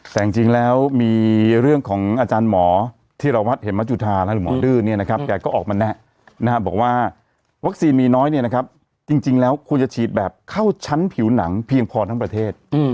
แต่จริงแล้วมีเรื่องของอาจารย์หมอธิรวัตรเหมจุธาหรือหมอดื้อเนี่ยนะครับแกก็ออกมาแนะบอกว่าวัคซีนมีน้อยเนี่ยนะครับจริงแล้วควรจะฉีดแบบเข้าชั้นผิวหนังเพียงพอทั้งประเทศ